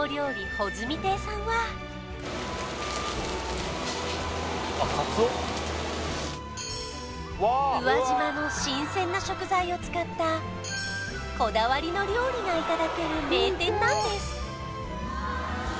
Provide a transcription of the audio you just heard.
ほづみ亭さんは宇和島の新鮮な食材を使ったこだわりの料理がいただける名店なんです